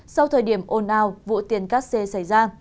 sau thời điểm ồn ào vụ tiền cắt xe xảy ra